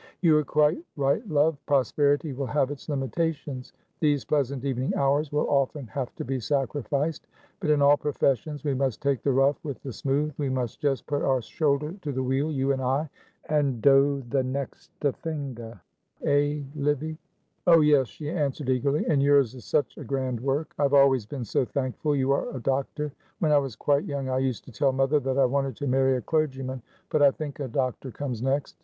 "You are quite right, love; prosperity will have its limitations; these pleasant evening hours will often have to be sacrificed. But in all professions we must take the rough with the smooth. We must just put our shoulder to the wheel, you and I, and 'Doe the nexte thinge,' eh, Livy?" "Oh, yes," she answered, eagerly, "and yours is such a grand work. I have always been so thankful you are a doctor. When I was quite young I used to tell mother that I wanted to marry a clergyman. But I think a doctor comes next.